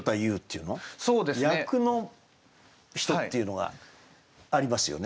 役の人っていうのがありますよね。